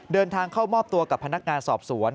เดินทางเข้ามอบตัวกับพนักงานสอบสวน